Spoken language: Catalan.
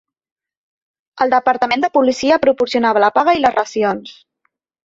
El departament de policia proporcionava la paga i les racions.